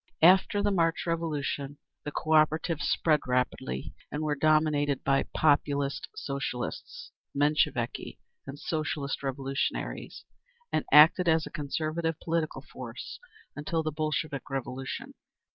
After the March Revolution the Cooperatives spread rapidly, and were dominated by Populist Socialists, Mensheviki and Socialist Revolutionaries, and acted as a conservative political force until the Bolshevik Revolution.